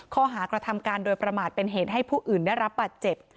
ข้อหากระทำการโดยประมาทเป็นเหตุให้ผู้อื่นได้รับบาดเจ็บ